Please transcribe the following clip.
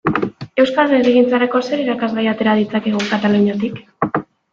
Euskal herrigintzarako zer irakasgai atera ditzakegu Kataluniatik?